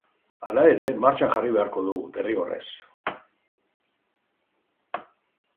Hala ere, martxan jarri beharko dugu, derrigorrez.